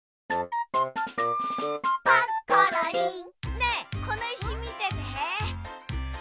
ねえこのいしみてて。